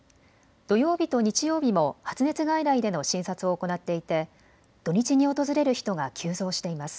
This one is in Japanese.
土曜日と日曜日も発熱外来での診察を行っていて土日に訪れる人が急増しています。